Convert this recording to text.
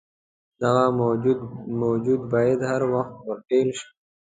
دغه موجود باید هروخت ورټل شي.